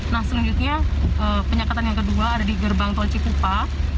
nah selanjutnya penyekatan yang kedua ada di gerbang tol cikupa